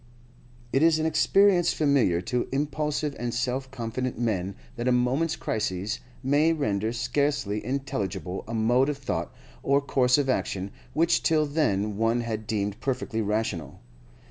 It is an experience familiar to impulsive and self confident men that a moment's crisis may render scarcely intelligible a mode of thought or course of action which till then one had deemed perfectly rational.